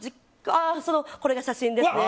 これが写真ですね。